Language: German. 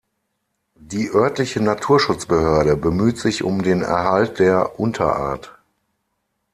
Die örtliche Naturschutzbehörde bemüht sich um den Erhalt der Unterart.